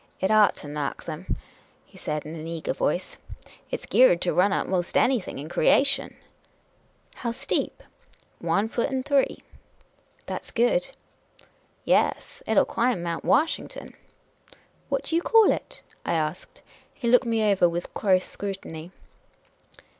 " It ought to knock 'em," he said, in an eager voice. " It 's geared to run up most anything in creation." " How steep?" The Inquisitive American 75 " One foot in three." "That 's good." " Yes. It '11 climb Mount Washington." " What do you call it ?" I asked. He looked me over with close scrutiny.